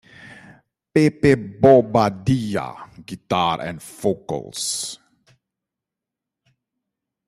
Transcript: Pepe Bobadilla: Guitar and Vocals.